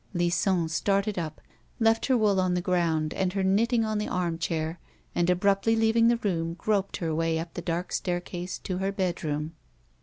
Lison started up, left her wool on the ground and her knitting on the armchair, and abruptly leaving the room groped her way up the dark staircase to her bedroom.